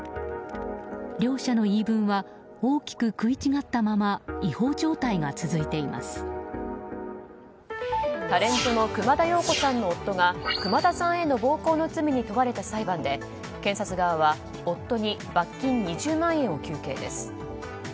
両者の言い分は大きく食い違ったままタレントの熊田曜子さんの夫が熊田さんへの暴行の罪に問われた裁判で検察側は夫に罰金２０万円を求刑です。